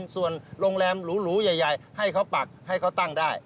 ส่วนโรงแรมหรูใหญ่ให้เขาปักให้เขาตั้งได้